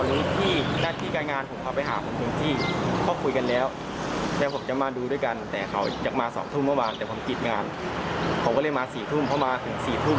ใช่ครับทีนี้ผมก็เลยตัดสินใจเขาโทรมาคุยกับไอเกียร์ผม